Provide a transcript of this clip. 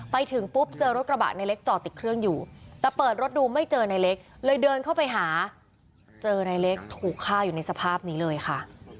ไปถึงปุ๊บเจอรถกระบะในเล็กจอดติดเครื่องอยู่แต่เปิดรถดูไม่เจอในเล็กเลยเดินเข้าไปหาเจอนายเล็กถูกฆ่าอยู่ในสภาพนี้เลยค่ะ